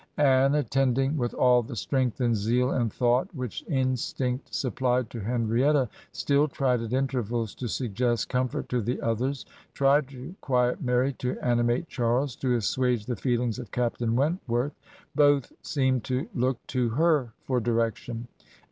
... Anne, attending with all the strength and zeal and thought, which instinct supplied, to Henrietta, still tried, at intervals, to suggest comfort to the others, tried to quiet Mary, to animate Charles, to assuage the feel ings of Captain Wentworth. Both seemed to look to her for direction.